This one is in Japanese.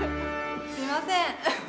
すいません。